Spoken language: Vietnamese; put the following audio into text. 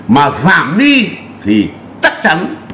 mà giảm đi thì chắc chắn